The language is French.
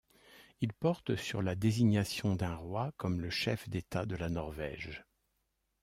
Il porte sur la désignation d'un roi comme le chef d'État de la Norvège.